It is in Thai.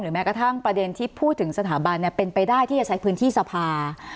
แม้กระทั่งประเด็นที่พูดถึงสถาบันเป็นไปได้ที่จะใช้พื้นที่สภา